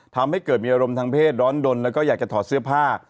ทำให้เกิดมีอารมณ์ทางเพศร้อนดนแล้วก็อยากจะถอดเสื้อผ้า